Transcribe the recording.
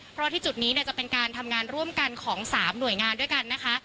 เพราะว่าที่จุดนี้จะเป็นการทำงานร่วมกันของ๓หน่วยงานด้วยกันนะคะ